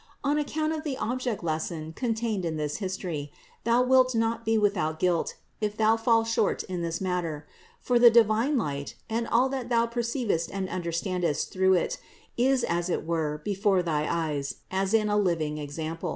On account of the object lesson contained in this history, thou wilt not be without guilt if thou fall short in this matter; for the divine light, and all that thou perceivest and under standest through it, is as it were before thy eyes, as in a living example.